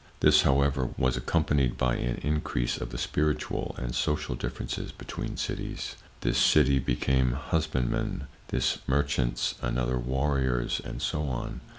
This, however, was accompanied by an increase of the spiritual and social differences between cities. This city became husbandmen, this, merchants, another warriors, and so on.